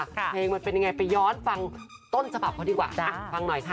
เพลงมันเป็นอย่างไรไปย้อนฟังต้นสภัพที่ดีกว่าฟังหน่อยค่ะ